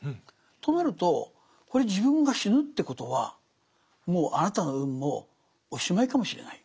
となるとこれ自分が死ぬってことはもうあなたの運もおしまいかもしれない。